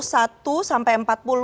tiga puluh satu sampai empat puluh